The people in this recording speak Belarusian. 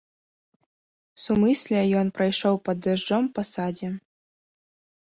Сумысля ён прайшоў пад дажджом па садзе.